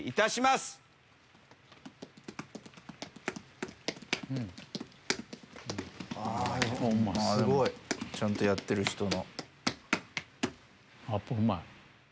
すごい！ちゃんとやってる人の。